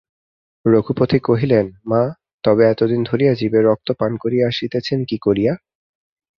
রঘুপতি কহিলেন, মা তবে এতদিন ধরিয়া জীবের রক্ত পান করিয়া আসিতেছেন কী করিয়া?